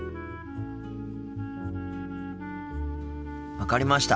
分かりました。